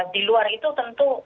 di luar itu tentu